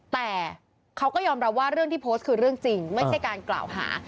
แต่เขาก็ยอมรับว่าเรื่องที่โพสต์คือเรื่องจริงไม่ใช่การกล่าวหา